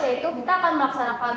yaitu kita akan melaksanakan